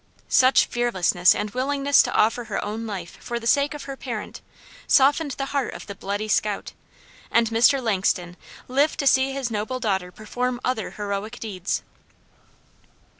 Such fearlessness and willingness to offer her own life for the sake of her parent, softened the heart of the "Bloody Scout," and Mr. Langston lived to see his noble daughter perform other heroic deeds.